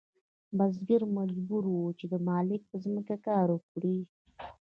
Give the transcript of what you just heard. بزګر مجبور و چې د مالک په ځمکه کار وکړي.